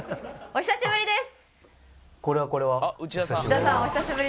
お久しぶりです。